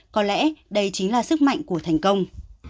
có lẽ đây chính là sức mạnh của thành công